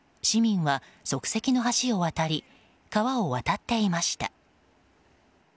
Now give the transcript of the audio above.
市民は即席の橋を渡り川を渡っていました。